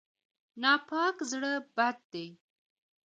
ناپاک زړه بد دی.